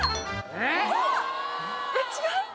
えっ違う？